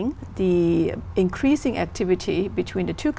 một học sinh trung tâm